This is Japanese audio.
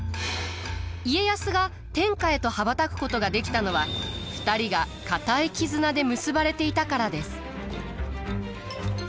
家康が天下へと羽ばたくことができたのは２人が固い絆で結ばれていたからです。